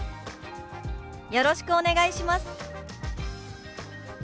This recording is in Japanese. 「よろしくお願いします」。